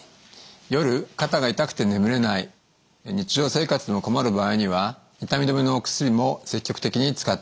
夜肩が痛くて眠れない日常生活も困る場合には痛み止めのお薬も積極的に使っていいと思います。